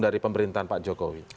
dari pemerintahan pak jokowi